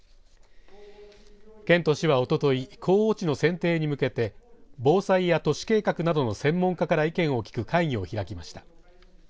県と市はおととい候補地の選定に向けて防災や都市計画などの専門家から意見を聞く会議を開きました。